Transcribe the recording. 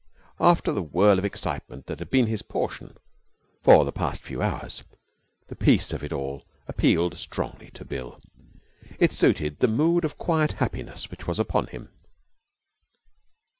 After the whirl of excitement that had been his portion for the past few hours, the peace of it all appealed strongly to Bill. It suited the mood of quiet happiness which was upon him.